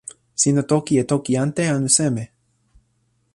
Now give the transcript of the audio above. sina toki e toki ante anu seme?